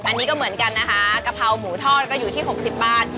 อันนี้ก็เหมือนกันนะคะกะเพราหมูทอดก็อยู่ที่๖๐บาท